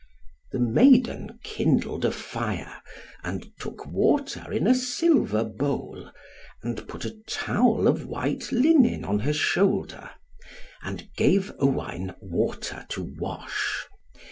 The maiden kindled a fire, and took water in a silver bowl, and put a towel of white linen on her shoulder, and gave Owain water to wash.